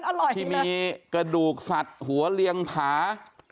น้ำมักที่มีกระดูกสัตว์หัวเรียงผา